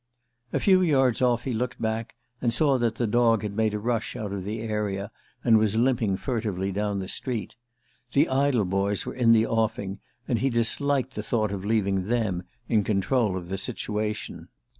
A few yards off he looked back, and saw that the dog had made a rush out of the area and was limping furtively down the street. The idle boys were in the offing, and he disliked the thought of leaving them in control of the situation.